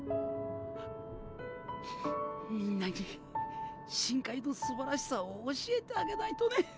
みんなに深海のすばらしさを教えてあげないとね。